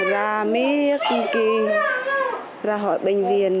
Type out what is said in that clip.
ra mấy cung kỳ ra hỏi bệnh viện